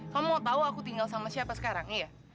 kamu mau tahu aku tinggal sama siapa sekarang iya